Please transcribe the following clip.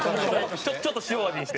ちょっと塩味にして。